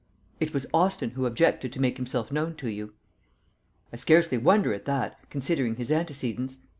"It was Austin who objected to make himself known to you." "I scarcely wonder at that, considering his antecedents.